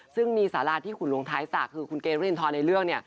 ซึ่งมีสาราที่ขุนลงท้ายสากคือคุณเกณฑ์วิทยณฑร์ในเรื่องนี่